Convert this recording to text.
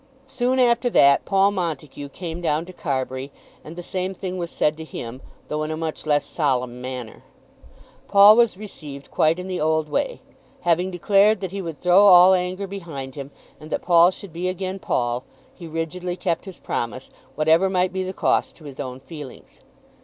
Soon after that, Paul Montague came down to Carbury, and the same thing was said to him, though in a much less solemn manner. Paul was received quite in the old way. Having declared that he would throw all anger behind him, and that Paul should be again Paul, he rigidly kept his promise, whatever might be the cost to his own feelings.